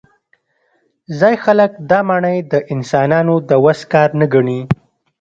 ځايي خلک دا ماڼۍ د انسانانو د وس کار نه ګڼي.